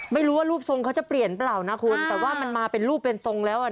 ไม่รู้ว่ารูปทรงเขาจะเปลี่ยนเปล่านะคุณแต่ว่ามันมาเป็นรูปเป็นทรงแล้วอ่ะ